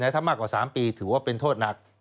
ถ้ามากกว่า๓ปีถือว่าเป็นโทษหนัก